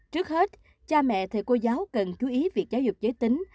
trước hết cha mẹ thầy cô giáo cần chú ý việc giáo dục giới tính